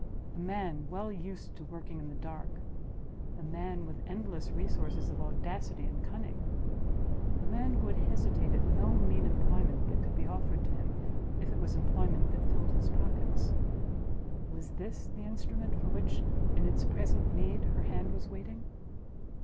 A man well used to working in the dark; a man with endless resources of audacity and cunning; a man who would hesitate at no mean employment that could be offered to him, if it was employment that filled his pockets—was this the instrument for which, in its present need, her hand was waiting?